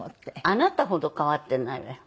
あなたほど変わってないわよ。